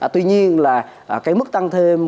tuy nhiên là cái mức tăng thêm